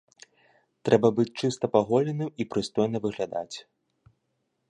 Трэба быць чыста паголеным і прыстойна выглядаць.